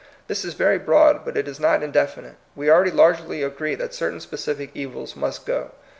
This is very broad, but it is not indefi nite. We already largely agree that certain specific evils must go.